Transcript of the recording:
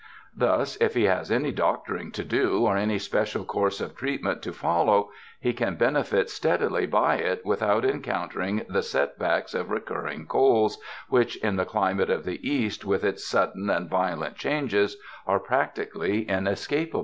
Thus if he has any doctoring to do or any special course of treatment to follow, he can benefit steadily by it without encountering the set backs of recurring colds which in the climate of the East with its sudden and violent changes, are prac tically inescapable.